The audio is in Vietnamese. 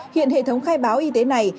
hiện hệ thống khai báo y tế này